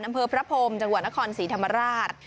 อำเภอพระพรมจังหวัดนครศรีธรรมราช